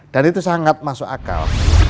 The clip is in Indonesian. dan itu sangat masuk akal